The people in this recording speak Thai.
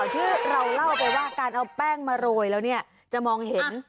คือหลายครั้งหลายข่าวที่เราเล่าไปว่าการเอาแป้งมาโรยแล้วเนี่ยจะมองเห็น